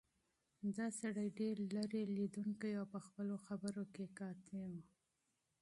دا سړی ډېر لیرې لیدونکی او په خپلو خبرو کې قاطع و.